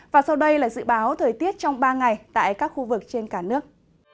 và sau đây là dự báo thời tiết trong ba ngày tại các khu vực trên cả nước